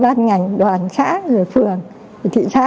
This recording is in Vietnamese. bàn ngành đoàn xã rồi phường thị xã